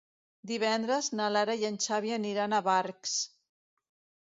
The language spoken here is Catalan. Divendres na Lara i en Xavi aniran a Barx.